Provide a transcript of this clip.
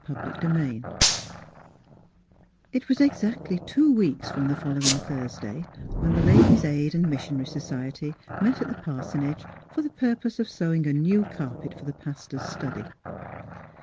XVI It was exactly two weeks from the fol lowing Thursday when The Ladies' Aid and Missionary Society met at the par sonage for the purpose of sewing a new carpet for the pastor's study.